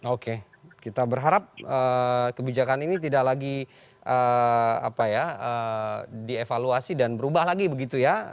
oke kita berharap kebijakan ini tidak lagi dievaluasi dan berubah lagi begitu ya